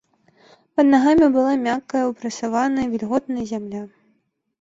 Пад нагамі была мяккая, упрасаваная, вільготная зямля.